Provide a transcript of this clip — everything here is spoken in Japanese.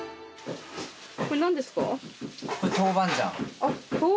これ何ですか？